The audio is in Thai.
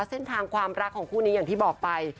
เส้นทางความรักของคู่นี้อย่างที่บอกไป